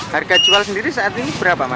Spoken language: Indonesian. harga jual sendiri saat ini berapa mas